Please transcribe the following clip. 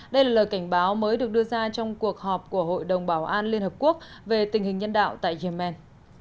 đây là lời cảnh báo mới được đưa ra trong cuộc họp của hội đồng bảo an liên hợp quốc về tình hình nhân đạo tại yemen